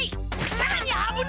さらにあぶない！